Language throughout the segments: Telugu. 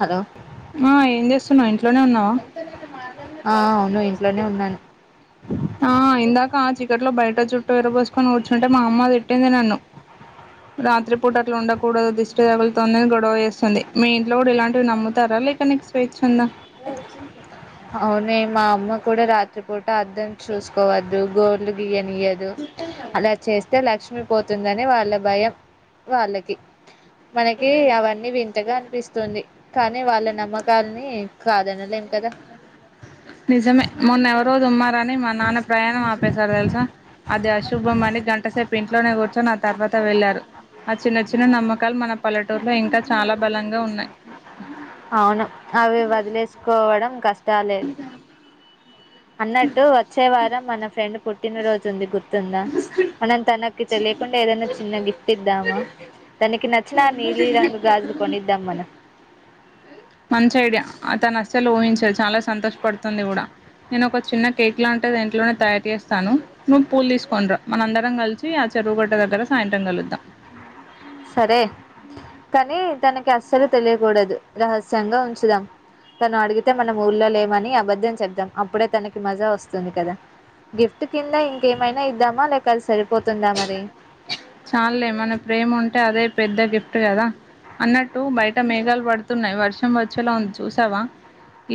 హలో ఆ ఏం చేస్తున్నావు ఇంట్లోనే ఉన్నావు ఆ అవును ఇంట్లోనే ఉన్నాను ఆ ఇందాక ఇ ఆ చికెట్ లో బయట చుట్టటుూ విరబోసుకొని కూర్చుంటే మా అమ్మ తిట్టింది నన్ను రాత్రి పూట అట్లా ఉండకూడదు దిష్టి తగులుతుందిని గొడవ వేస్తుంది మీ ఇంట్లో కూడా ఇంటివి నమ్ము తరాల కనీకు స్వైచ్చ్చంద అవును మా అమ్మ కూడా రాత్రిపోట్ అర్ధం చూసుకోవద్దు గోళ్లు గయనియదు అలా చేస్తే లక్ష్మీ పోతుందని వాళ్ళ భయం వాళ్ళకి మనకి అవన్నీ వింతగా అనిపిస్తుంది కానీ వాళ్ళ నమ్మకాలని కాదనలేం కదా నిజమే మన రోజు ఉమ్మారని మా నాన్న ప్రయాణం ఆపేశారు తెలుసా అది అశుభంమని గంటసేపు ఇంట్లోనే కూర్చొని ఆ తర్వాత వెళ్లారు ఆ చిన్న చిన్న నమ్మకాలు మన పల్లెటూరులో ఇంకా చాలా బలంగా ఉన్నాయ్ అవును తాలేదులే అన్నట్టు వచ్చే వారం మనం ఫ్రెండ్ పుట్టినరోజుంది గుర్ తుందా మనం తనకి తెలియకుండా ఏదైనా చిన్న గిఫ్ట్ ఇద్దామా, తనకి నచ్చిన నీలి రంగు గాజులు కొనిద్దాం మనం. మంచి ఐడియా ఆ తను అస్సలు ఊహించదు చాలా సంతోషపడుతుంది కూడా నేను ఒక చిన్న కేక్ లాంటిది ఇంట్లోనే తయారు చేస్తాను, నువ్వు పూలు తీసుకోని రా మన అందరం కలిసి ఆ చెరువుగట్ట దగ్గర సాయంత్రం కలుద్దాం. సరే కానీ తనకి అస్సలు తెలియకూడదు రహస్యంగా ఉంచుదాం. తను అడిగితే మన ఊళ్లో లేమని అబద్ధం చెబ్దాం అప్పుడే తనకి మజా వస్తుంది కదా, గిఫ్ట్ కింద ఇంకేమైనా ఇద్దామా లేక అది సరి చాల్లే మన ప్రేమ ఉంటే అదే పెద్ద గిఫ్ట్ కదా అన్నట్టు బయట మేఘాలు పడుతున్నాయి వర్షం వచ్చేలా ఉంది చూసావా.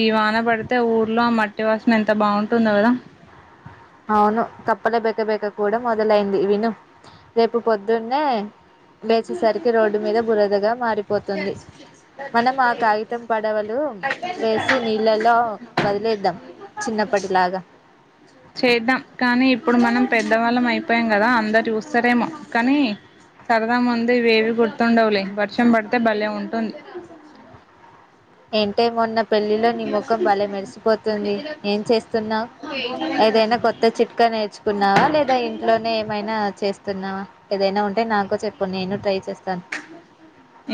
ఈ వాన పడితే ఆ ఊర్లో మట్టి వాస న ఎంత బాగుంటుందో కదా అవును కప్పలే బెక బెక కూడా మొదలైంది విను రేపు పొద్దున్నే. లేసేసరికి రోడ్డు మీద బురదగా మారిపోతుంది. మనం ఆ కాగితం పడవలు వేసి నీళ్ళలో వదిలేద్దాం, చిన్నప్పటిలాగా చేద్దాం కానీ ఇప్పుడు మనం పెద్దవాళ్ళం అయిపోయాం కదా, అందరు చూస్తరేమో కానీ సర దా ముందు ఇవేవి గుర్తుండవులే వర్షం పడితే భలే ఉంటుంది ఏం టే మొన్న పెళ్లిలో నీ ముఖం భలే మెరిసిపోతుంది. ఏం చేస్తున్నావ్ ఏదైనా కొత్త చిట్కా నేర్చుకున్నావా లేదా ఇంట్లోనే ఏమైనా చేస్తున్నావా ఏదైనా ఉం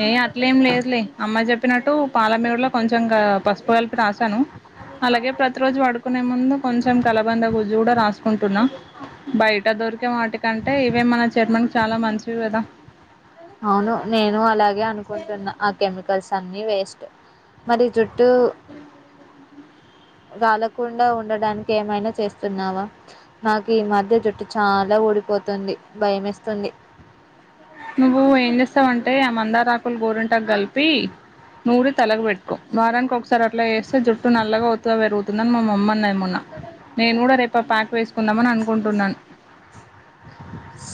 ఏ అట్లేం లేదులే అమ్మ చెప్ పినట్టు పాల మీగడ లో కొంచెంగా పసుపు కలిపి రాసాను అలాగే ప్రతి రోజు వడుకొ నే ముందు కొంచెం కలబంద గుజ్జు కూడా రాసుకుంటున్నా బయట దొరికే వాటికంటే ఇవే మన చర్మం చాలా మంచివి కదా అవును నేను అలాగే అనుకుంటున్న ఆ కెమికల్స్ అన్నీవే స్ట్ మరి జుట్టు రాలకుండా ఉండడానికి ఏమైనా చేస్తున్నావా నాకు ఈ మధ్య జుట్టు చాలా ఊడిపోతుంది. భయమేస్తుంది. నువ్వు ఏం చేస్తావంటే ఆ మందారాకులు గోరింట కలిపి నూరి తలకు పెట్టుకో వారానికి ఒకసారి అట్లా వేస్తే జుట్టు నల్లగా ఒత్తుగా పెరుగుతుందని మా మమ్మీ అన్నది మొన్న నేను కూడా రేపు ప్యాక్ వేసుకుందామని అనుకుంటున్నాను.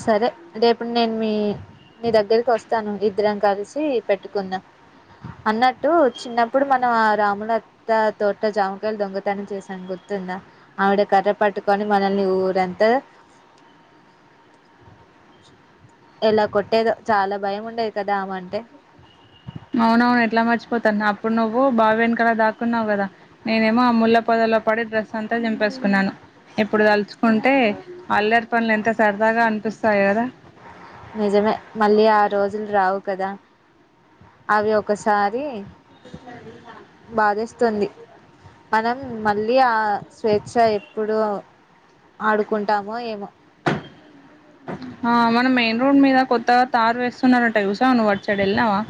సరే రేపు నేను మీ మీ దగ్గరికి వస్తాను ఇద్దరం కలిసి పెట్టుకుందా అన్నట్టు చిన్నప్పుడు మనం ఆ రాములత్త తోట జామకాయలు దొంగతనం చేశాను గుర్తుందా ఆవిడ కర్ర పట్టుకొని మనల్ని ఊరంతా ఎలా కొట్టేదో చాలా భయం ఉండేది కదా ఆమె అంటే అవునవును ఎట్లా మర్చిపోతాను అప్పుడు నువ్వు బావి వెనకల దాక్కున్నావు కదా నేనేమో ఆ ముళ్ల పొదల్లో పడి డ్రెస్ అంతా చింపేసుకున్నాను ఎప్పుడు తలుచుకుంటే అల్లర్ పనులు ఎంత సరదాగా అనిపిస్తాయి కదా నిజమే మళ్ళీ ఆ రోజులు రావు కదా అవి ఒకసారి బాధేస్తుంది [inaudible] మనం మళ్ళీ ఆ స్వేచ్ఛ ఎప్పుడు ఆడుకుంటామో ఏమో ఆ మనం మెయిన్ రోడ్ మీద కొత్తగా తారు వేస్తున్నారంట చూసావు నువ్వు వాటు సైడ్ వెళ్నావా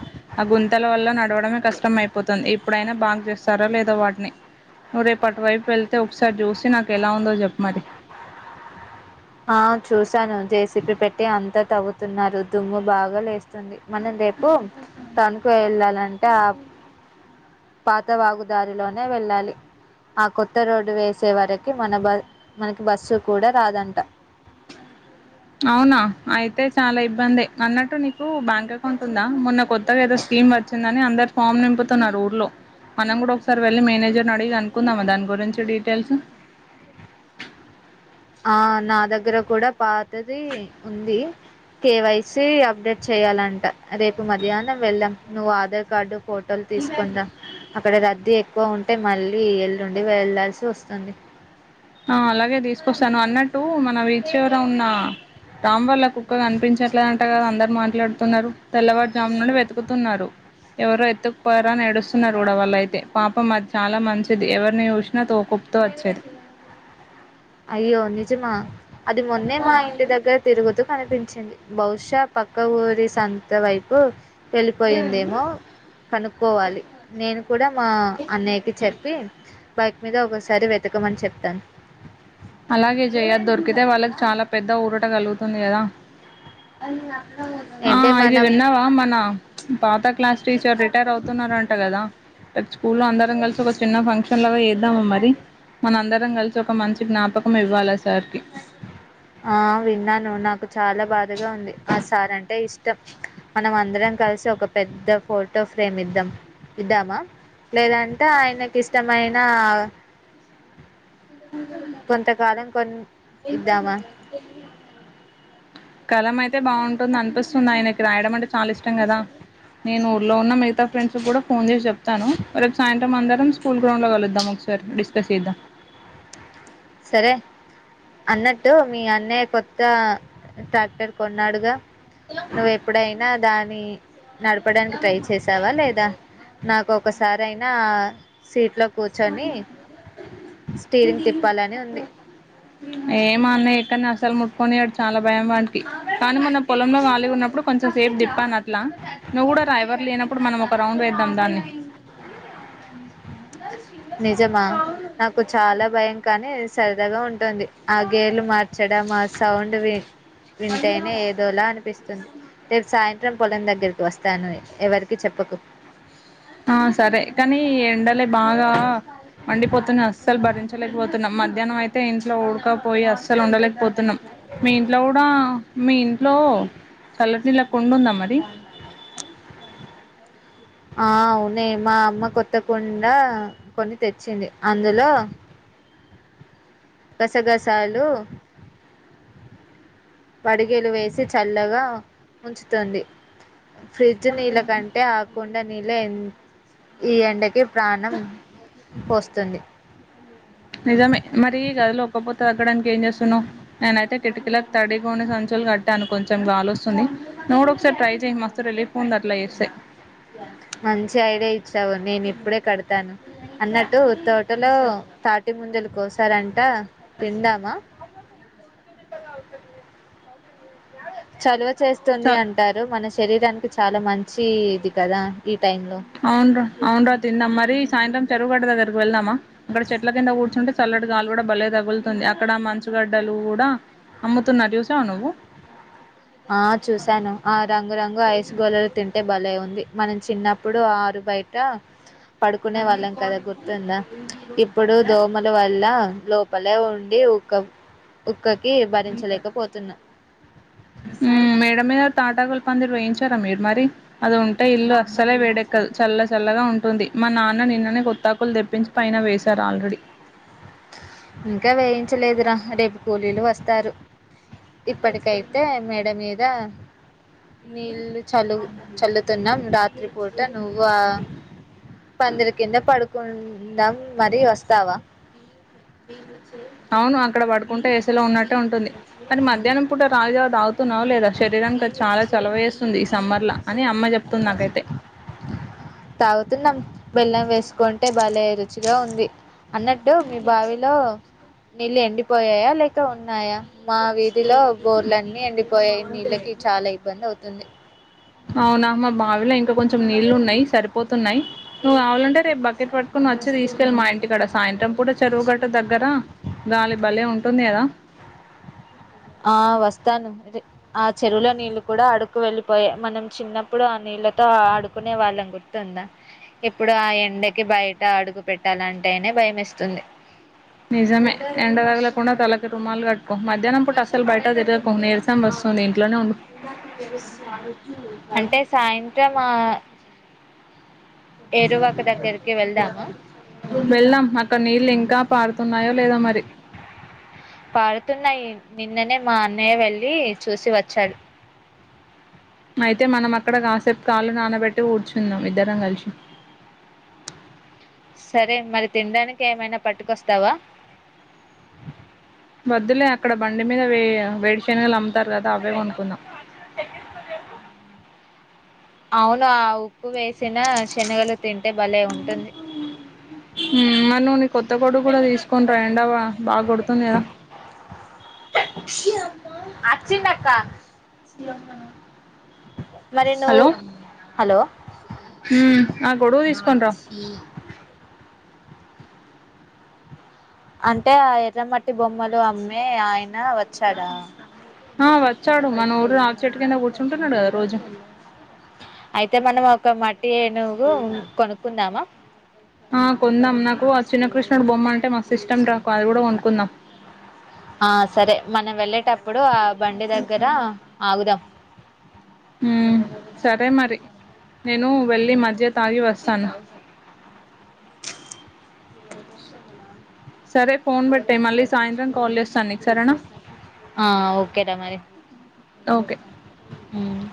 ఆ గుంతెల వల్ల నడవడమే కష్టం అయిపోతుంది ఇప్పుడైనా బాగ చేస్తారా లేదో వాటిని నువ్వు రేపు అటువైపు వెళ్తే ఒకసారి చూసి నాకు ఎలా ఉందో చెప్పు మరి ఆ చూస్ సను జెసిపీ పెట్టి అ తవ్వుతున్నారు దుమ్ము బాగా లేస్తుంది. మనం రేపు టౌన్కు వెళ్ళాలంటే ఆ పాత వాగుదారిలోనే వెళ్ళాలి ఆ కొత్త రోడ్డు వేసే వరకి మన బ మనకి బస్సు కూడా రాదంట అవునా అయితే చాలా ఇబ్బంది అన్నట్టు నీకు బ్యాంక్ అకౌంట్ ఉందా మొన్న కొత్తగా ఏదో స్కీమ్ వచ్చిందని అందరు ఫామ్ నింపుతున్నారు. ఊర్లో మనం కూడా ఒకసారి వెళ్ళి మేనేజర్ని అడిగి అనుకుందామా దాని గురించి డీటెయిల్స్ ఆ నా దగ్గర కూడా పాతది ఉంది. కేవైసీ అప్డేట్ చేయాలంట రేపు మధ్యాహ్నం వెళ్ నువు ఆధార్ కార్డు ఫోటోలు తీసుకుందాం అక్కడ రద్దీ ఎక్కువ ఉంటే మళ్ళీ ఎల్లుండి వెళ్లాల్సి వస్తుంది ఆ అలాగే తీసుకొస్తాను అన్నట్టు మన వీధి చివర ఉన్న రామ్ వాళ్ళ కుక్కగా కనిపించట్లేదంట కదా అందరు మాట్లాడుతున్నారు తెల్లవారుజాము నుండి వెతుకుతున్నారు ఎవరో ఎత్తుకుపోారా నడుస్తున్నారు కూడా వాళ్ళ అయితే పాప మాది చాలా మంచిది ఎవరిని చూసినా తోకపుతో వచ్చేది అయ్యో నిజమా అది మొన్నే మా ఇంటి దగ్గర తిరుగుతూ కనిపించ వచ్చింది బహుశా పక్క ఊరి సంత వైపు వెళ్ళిపోయిందేమో కనుక్కోవాలి నేను కూడా మా అన్నయ్యకి చెప్పి బైక్ మీద ఒకసారి వెతకమని చెప్తాను అతే వాళ్ళకి చాలా పెద్ద ఊరట కలుగుతుంది కదా ఆ ఏంటే మన ఇది వెన్నావా మనా పాత క్లాస్ టీచర్ రటర్ అవుతున్నారంట కదా స్కూల్ లో అందరం కలిసి ఒక చిన్న ఫంక్షన్ లాగా చేద్దాము మరి మన అందరం కలిసి ఒక మంచి జ్ఞాపకం ఇవ్వాలా సార్కి ఆ విన్నాను నాకు చాలా బాధగా ఉంది ఆ సార్ అంటే ఇష్టం మనం అందరం కలిసి ఒక పెద్ద ఫోటో ఫ్రేమ్ ఇద్దాం ఇద్దామా లేదంటే ఆయనకి ఇష్టమైన నా అ కొంతకాలం కొన్ని ఎంత కలం అయితే బాగుంటుందనిపిస్తుంది, ఆయనకి రాయడం అంటే చాలా ఇష్టం కదా నేను ఊర్లో వున్నా మిగతా ఫ్రెండ్స్కి కూడా ఫోన్ చేసి చెప్తాను. రేపు సాయంత్రం అందరం స్కూల్ గ్రౌండ్లో కలుద్దాం ఒకసారి డిస్కస్ చేద్దాం. సరే అన్నట్టు మీ అన్నయ్య కొత్త ట్రాక్టర్ కొన్నాడుగా. నువ్వ ఎప్పుడైనా దాని నడపడానికి ట్రై చేసావా లేదా నాకు ఒక స సరైనా సీట్ లో కూర్చని స్టీరింగ్ తిప్ యాంది యే మా అన్నయ్య ఎక్కనా అసలు ముట్కొనియాడు చాలా భయం వాన్నికి, కానీ మన పొలంలో గాలి ఉన్నప్పుడు కొంచెం సేఫ్ తిప్పను అట్లా. నువ్వు కూడా రా ఎవరు లేనప్పుడు మనం ఒక రౌండ్ వేద్దాం దాన్ని. ఎ నిజమా నాకు చాలా భయం కానీ స్ సరదాగా ఉంటంది ఆ గేర్లు మార్చడం ఆ సౌండ్ విన్ వింటేనే ఏదోలా అనిపిస్తుంది. రేపు సాయన్ త్రం పోలం దగ్గరికి వస్తాను ఎవరికి చెప్పకు ఆ సరే కానీ ఎండలే బాగా మండిపోతున్నా అస్సలు భరించలేకపోతున్నాం, మధ్యాహ్నం అయితే ఇంట్లో ఊడకపోయి అస్సలు ఉండలేకపోతున్నాం. మీ ఇంట్లో కూడా మీ ఇంట్లో చల్లటినీల్లా కుండుందా మరి. ఆ అవ్నే మా అమ్మ కొత్తగా కొనిందా కొని తెచ్చింది అందులో గసగసలు పడిగేలు వేసి చల్లగా ఉంచుతుంది. ఫ్రిడ్జ్ నీళ్ల కంటే ఆ కుం డా నీళ్లే ఎ ఈ ఎండకి ప్రాణం వొస్తుంది నిజమే మరీ గదిలో ఉక్కపొతా తగ్గడానికి ఏం చేస్తన్నావ్ నేనైతే కిటకిీల తడి కొని సంచులు కట్టాను కొంచెం గాలోస్తుంది నువుకూడా ఒక సారి ట్రై చేయ్మా మస్తు రిలీఫ్ ఉంది అట్లా చేేస్తే మంచి ఐడేయ్ వచ్చావు నేను ఇప్పుడే కడతాను అన్నట్టు తోటలో తాటి ముంజలు కోసారంట తిందామా. కొంతేదిబ్బగా అవుతుంది చదవత్ చేస్తుంది చ అంటారు మనస్ శరీరానికి చాలా మంచి ఇది కదా ఈ టైంలో అవ్నడ్రా అవ్నడ్రా తిన్యాం మరి సాయంత్రం చెరువుగడ్డ దగ్గరకు వెళ్దామా, అక్కడ చెట్ల కింద కూర్చుంటే చల్లటిగాలి కూడా భలే తగులుతుంది. అక్కడ మంచుగడ్డలు కూడా అమ్ముతున్నార్ చూసావ నువ్వు. ఆ చూశాను ఆ రంగు రంగు ఐస్ గోలీలు తింటే బలే ఉంది. మనం చిన్నప్పుడు ఆరు బయటా పడుకునే వాళ్ళం కదా గుర్తుందా ఇప్పుడు దోమల వల్ల లోపలే ఉండి ఉకం ఉక్ వుక్కకి భరించలేకపోతున్నా మేడ మీద తాటాకులు పందిరు వేయించారా మీరు మరి అది ఉంటే ఇల్లు అస్సలే వేడెక్కదు చల్ల చల్లగా ఉంటుంది మా నాన్న నిన్ననే కొత్తాకులు తెప్పించి పైన వేశారు ఆల్రెడీ ఇంకా వేయించలేదురా రేపు కూలీలు వస్తారు ఇప్పటికైతే మేడ మీదా నీళ్ చలు చల్లుతున్నాం రాత్రి పూట నువ్వు ఆ పందిర కింద పడుకు కొ నం మరి వస్తావా అవును ఇక్కడ పడుకుంటే ఏసీలో ఉన్నట్టే ఉంటుంది కానీ మధ్యాహ్నం పూట రాగిజావా తాగుతున్నావ లేదా శరీరానికి చాలా చలవ వేస్తుంది ఈ సమ్మర్ లో అని అమ్మ చెప్ తందకతే తాగుతున్నాం బెల్లం వేసుకుంటే బాలేరుచు గా ఉంది అన్నట్టు మీ బావిలో నీళ్ళు ఎండిపోయాయా లేక ఉన్నాయా మా వీధిలో బోర్లన్ని ఎండిపోయాయి నీళ్ళకి చాలా ఇబ్బంది అవుతుంది అవునా మా బావిలో ఇంకా కొంచెం నీళ్ళలు ఉన్నాయి సరిపోతున్నాయి నువ్వు కావాలంటే రేపు బకెట్ పట్టుకుని వచ్చి తీసుకెళ్ళి మా ఇంటికాడ సాయంత్రం పూట చెరువు గట్ట దగ్గర గాలి భలే ఉంటుంది కదా ఆ వస్తాను ఆ చెరువుల నీళ్ళు కూడా అడుకు వెళ్ళిపోయా మనం చిన్నప్పుడు ఆ నీళ్ళతో ఆడుకునే వాళ్ళం గుర్తుందా ఇప్పుడు ఆ ఎండకి బయట అడుగు పెట్టాలంటేనే భయం వేస్తుంది నిజమె ఎండ తగలకుండ తలకి రుమాలు కట్టుకో మధ్యాహ్నం పూట అస్సల్ బయట తిరగకో నీరసాం వస్తుంది ఇంట్లోనే ఉండు అంటె సాయంత్రం ఆ ఏరువాక దగ్గరికి వెళ్దామా వెళ్దాం అక్కడ్ నీళ్ళు ఇంకా పారు ఉన్నాయో పారుతున్నాయి నిన్ననే మా అన్నయ్య వెళ్లీ చూసి వచ్చాడు అయితె మనం అక్కడ కాసేప్ కాళ్ళు నానబెట్టి కూర్చుందం ఇద్దరం కల్సి సరే మరి తిన్డానికి ఏమైనా పట్టుకొస్తావ వద్దులే అక్కడ బండి మీద వే వేడిశనగలు అమ్ము తారు కదా అవె కొనుకుందాం అవును ఆ ఉప్పు వేసిన శనగలు తింటె భలే ఉంటుంది తినాలె కొత్త గొడుగ్ కూడ తీస్కొని ఎండా వ్వ బాగ్గొడుతు తున్యా అచ్చి నక్క మరి [inaudible] నువ్వు హలో హలో ఊ ఆ గొడుగ్ తీస్కొండ్ర అంటే ఆ ఎర్రమట్టి బొమ్మలు అమ్మే ఆయన్ నా వచ్చాడా ఆ వచ్చాడు మన ఊరు ఆప్ చెట్టు కింద కూర్చుంటన్నడు గదా రోజు అయితే మనం ఒక మట్ ఏనుగు కొనుక్కుందామా ఆ కొందాం నాకు ఆ చిన్న కృష్ణుడు బొమ్మ అంటే మస్త్ ఇష్టం రా కో అది కూడ కొనుక్కుందాం. ఆ సరే మనం వెళ్ళేటప్పుడు ఆ బండి దగ్గరా ఆగుదాం ఉమ్ సరే మరి నేనూ వెళ్ళి మజ్జిగ తాగి వస్తాను. సరే ఫోన్ పెట్టేయ్ మళ్ళీ సాయంత్రం కాల్ చేస్తా నీక్ సరేన ఆ ఓకెర మరి ఓకె ఉమ్